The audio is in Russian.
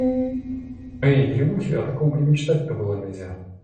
В моей деревухе о таком и мечтать-то было нельзя!